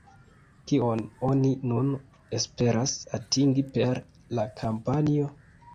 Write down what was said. Kion oni nun esperas atingi per la kampanjo?